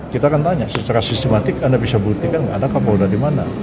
kita akan tanya secara sistematik anda bisa buktikan nggak ada kapolda di mana